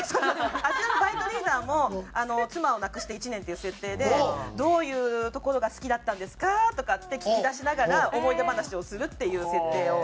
あちらのバイトリーダーも妻を亡くして１年っていう設定で「どういうところが好きだったんですか？」とかって聞き出しながら思い出話をするっていう設定を。